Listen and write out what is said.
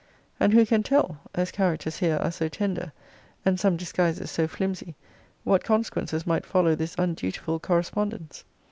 And who can tell, as characters here are so tender, and some disguises so flimsy, what consequences might follow this undutiful correspondence?